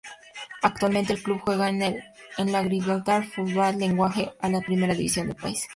Actualmente el club juega en la Gibraltar Football League, la primera división del país.